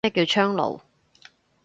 乜叫窗爐